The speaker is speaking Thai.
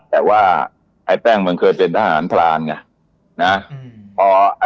แต่ว่าไอ้แป้งมันเคยเป็นทหารพรานไงนะ